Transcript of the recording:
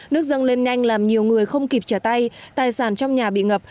nước dâng lên nhanh làm nhiều người không kịp trả tay tài sản trong nhà bị ngập